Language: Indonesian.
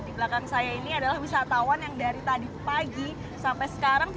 di belakang saya ini adalah wisatawan yang dari tadi pagi sampai sekarang